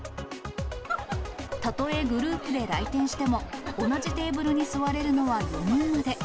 たとえグループで来店しても、同じテーブルに座れるのは４人まで。